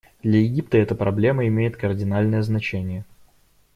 Для Египта эта проблема имеет кардинальное значение.